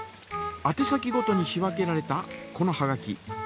あて先ごとに仕分けられたこのはがき。